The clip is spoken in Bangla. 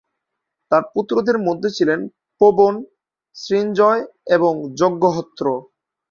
তাঁর পুত্রদের মধ্যে ছিলেন পবন, শ্রীঞ্জয় এবং যজ্ঞহোত্র।